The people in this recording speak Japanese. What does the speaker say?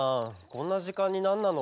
こんなじかんになんなの？